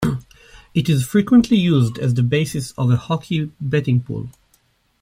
It is frequently used as the basis of a hockey betting pool.